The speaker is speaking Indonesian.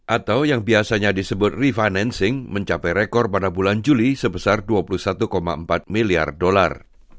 atau yang biasanya disebut refinancing mencapai rekor pada bulan juli sebesar dua puluh satu empat miliar dolar